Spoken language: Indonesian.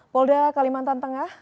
polda kalimantan tengah